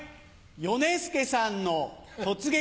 ヨネスケさんの『突撃！